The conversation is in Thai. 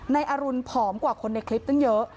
นายอรุณผอมกว่าคนในคลิปตั้งเยอะ